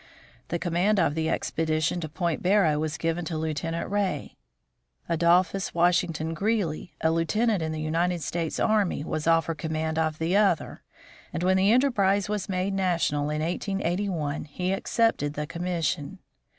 The command of the expedition to Point Barrow was given to Lieutenant Ray. Adolphus Washington Greely, a lieutenant in the United States Army, was offered command of the other, and when the enterprise was made national in 1 881, he accepted the commission.